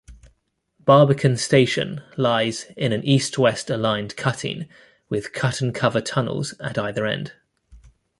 Barbican station lies in an east-west-aligned cutting with cut-and-cover tunnels at either end.